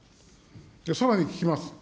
さらに聞きます。